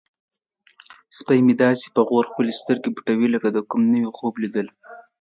سپی مې داسې په غور خپلې سترګې پټوي لکه د کوم نوي خوب لیدل.